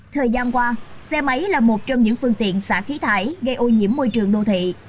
thời gian qua xe máy là một trong những phương tiện xả khí thải gây ô nhiễm môi trường đô thị